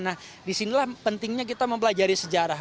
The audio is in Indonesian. nah disinilah pentingnya kita mempelajari sejarah